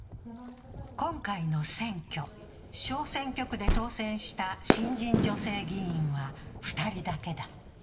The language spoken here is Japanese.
今回の選挙、小選挙区で当選した新人女性議員は２人だけだ。